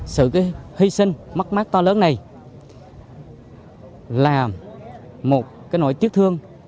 sự hy sinh mắc mát to lớn này là một nỗi tiếc thương